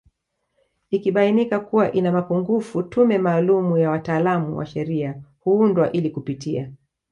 Ikibainika kuwa ina mapungufu tume maalumu ya wataalamu wa sheria huundwa ili kupitia